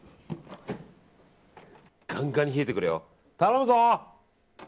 ガンガンに冷えてくれよ。頼むぞ！